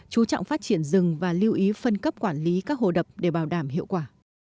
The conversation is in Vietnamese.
chú trọng phát triển rừng và lưu ý phân cấp quản lý các hồ đập để bảo đảm hiệu quả